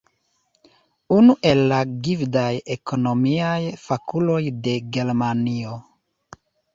Unu el la gvidaj ekonomiaj fakuloj de Germanio.